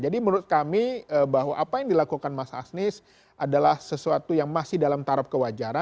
jadi menurut kami bahwa apa yang dilakukan mas asnis adalah sesuatu yang masih dalam tarap kewajaran